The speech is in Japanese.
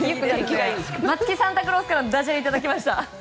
松木サンタクロースからダジャレいただきました。